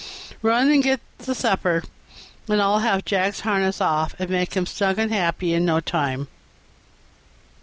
Run in and get the supper, and I'll have Jack's harness off and make him snug and happy in no time."